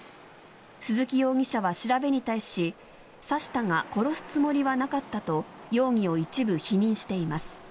鈴木容疑者は調べに対し刺したが殺すつもりはなかったと容疑を一部否認しています。